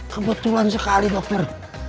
kebetulan sekali dokter